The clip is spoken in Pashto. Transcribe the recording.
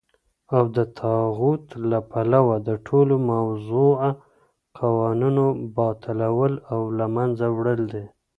او دطاغوت له پلوه دټولو موضوعه قوانينو باطلول او له منځه وړل دي .